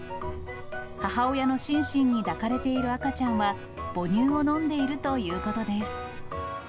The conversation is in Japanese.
母親のシンシンに抱かれている赤ちゃんは、母乳を飲んでいるということです。